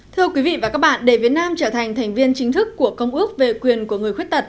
thưa quý vị và các bạn để việt nam trở thành thành viên chính thức của công ước về quyền của người khuyết tật